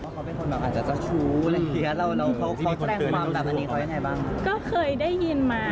เขาเป็นคนอาจจะชู้และเครียดเรา